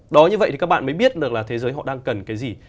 đó như vậy thì các bạn mới biết được là thế giới họ đang cần cái gì